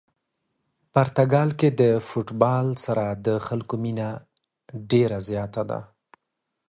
پرتګال کې د فوتبال سره د خلکو مینه ډېره زیاته ده.